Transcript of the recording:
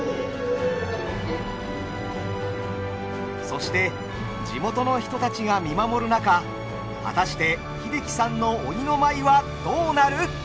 そして地元の人たちが見守る中果たして英樹さんの鬼の舞はどうなる！？